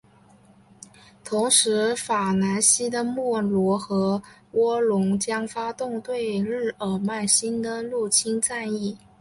同时法兰西的莫罗和喔戌将发动对日耳曼新的入侵战役。